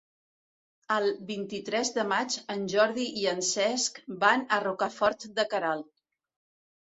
El vint-i-tres de maig en Jordi i en Cesc van a Rocafort de Queralt.